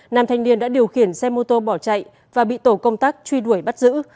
nam thanh niên đã điều khiển xe mô tô bỏ chạy và bị tổ công tác truy đuổi bắt giữ